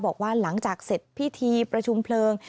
บอกว่าหลังจากเสร็จพิธีประชุมเพลิง